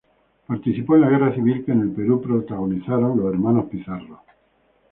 Participó en la guerra civil que en el Perú protagonizaron los hermanos Pizarro.